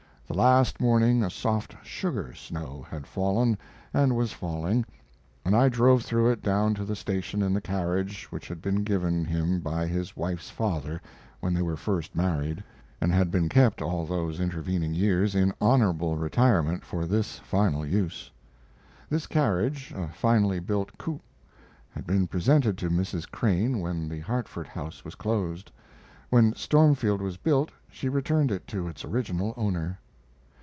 The last morning a soft sugar snow had fallen and was falling, and I drove through it down to the station in the carriage which had been given him by his wife's father when they were first married, and had been kept all those intervening years in honorable retirement for this final use. [This carriage a finely built coup had been presented to Mrs. Crane when the Hartford house was closed. When Stormfield was built she returned it to its original owner.